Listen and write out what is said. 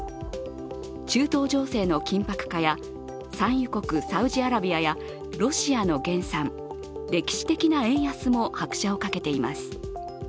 中東情勢の緊迫化や産油国サウジアラビアやロシアの減産、歴史的な円安も拍車をかけています。